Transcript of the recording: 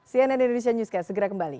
cnn indonesia newscast segera kembali